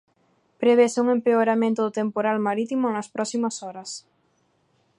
Prevese un empeoramento do temporal marítimo nas próximas horas.